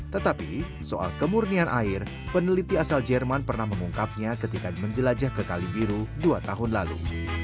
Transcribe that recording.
tetapi soal kemurnian air peneliti asal jerman pernah mengungkapnya ketika menjelajah ke kali biru dua tahun lalu